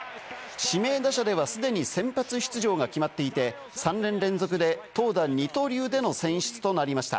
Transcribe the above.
指名打者ではすでに先発出場が決まっていて、３年連続で投打二刀流での選出となりました。